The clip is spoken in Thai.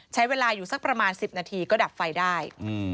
ใช้เวลาอยู่สักประมาณ๑๐นาทีก็ดับไฟได้